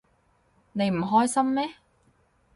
你唔開心咩？